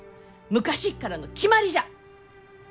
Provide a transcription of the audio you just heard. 昔っからの決まりじゃ！